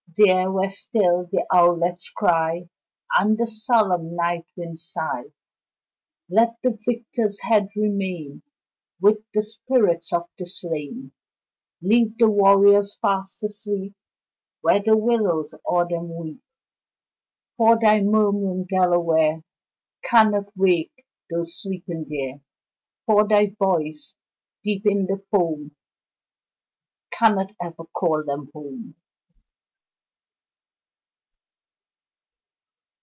There, where still the owlets cry And the solemn night winds sigh, Let the victor's head remain With the spirits of the slain, Leave the warriors fast asleep Where the willows o'er them weep, For thy murmuring, Delaware, Cannot wake those sleeping there, For thy voice deep in the foam Cannot ever call them home.